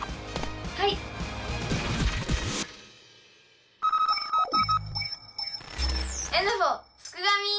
はい！えぬふぉすくがミ！